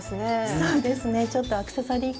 そうですねちょっとアクセサリー感を出して。